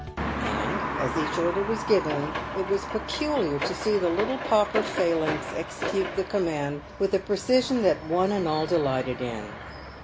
— and, as each order was given, it was peculiar to see the little pauper phalanx execute the command with a precision that one and all delighted in.